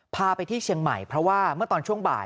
พาไปที่เชียงใหม่เพราะว่าเมื่อตอนช่วงบ่าย